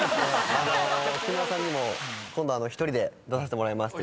木村さんにも今度１人で出させてもらいますって言って。